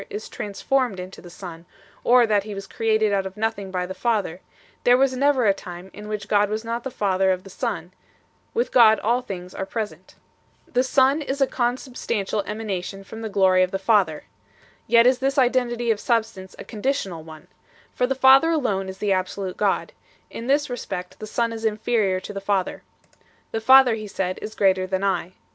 The Son is begotten of the Father; but we must not say that a portion of the substance of the Father is transformed into the Son, or that He was created out of nothing by the Father; there was never a time in which God was not the Father of the Son ; with God all things are present 4 . The Son is a consubstantial emanation from the glory of the Father. Yet is this identity of substance a conditional one, for the Father alone is the absolute God ; in this respect the Son is inferior to the Father. The Father, He said, is greater than I.